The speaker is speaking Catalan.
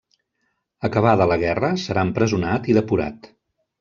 Acabada la guerra serà empresonat i depurat.